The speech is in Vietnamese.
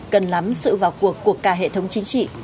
cần lắm sự vào cuộc của cả hệ thống chính trị